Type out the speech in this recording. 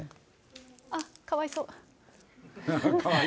あっ、かわいそう。